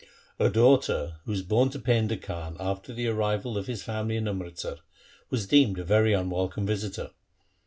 A daughter who was born to Painda Khan after the arrival of his family in Amritsar, was deemed a very unwelcome visitor.